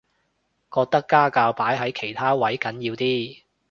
覺得家教擺喺其他位緊要啲